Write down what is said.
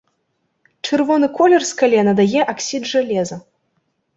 Чырвоны колер скале надае аксід жалеза.